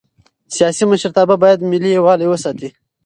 سیاسي مشرتابه باید ملي یووالی وساتي